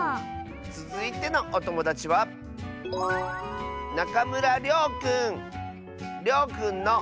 つづいてのおともだちはりょうくんの。